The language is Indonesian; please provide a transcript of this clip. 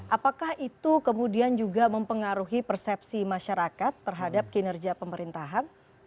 apakah itu kemudian juga mempengaruhi persepsi masyarakat terhadap kinerja pemerintahan